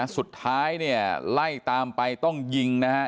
สุดท้ายเนี่ยไล่ตามไปต้องยิงนะฮะ